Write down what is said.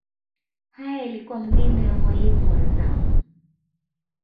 hayo yalikuwa maneno ya mwalimu wa zamu